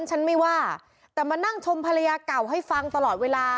ฉันไม่ว่าแต่มานั่งชมภรรยาเก่าให้ฟังตลอดเวลา